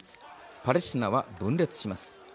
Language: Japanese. パレスチナは分裂します。